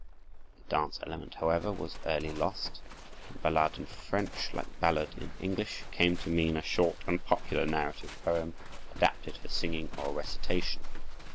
The dance element, however, was early lost, and ballade in French, like ballad in English, came to mean a short and popular narrative poem adapted for singing or recitation.